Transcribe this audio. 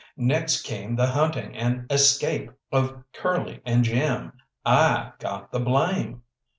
Next came the hunting and escape of Curly and Jim; I got the blame.